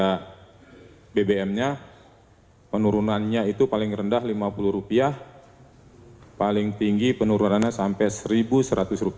harga bbm nya penurunannya itu paling rendah rp lima puluh paling tinggi penurunannya sampai rp satu seratus